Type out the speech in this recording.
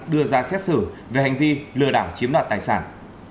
đưa ra xét xử về hành vi lừa đảo chiếm đoạt tài sản